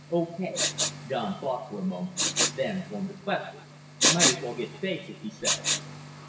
"Okay." Don thought for a moment, then formed a question. "Might as well get basic," he said.